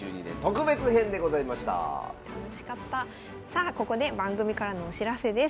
さあここで番組からのお知らせです。